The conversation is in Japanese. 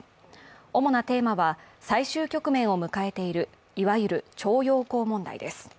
主なテーマは、最終局面を迎えている、いわゆる徴用工問題です。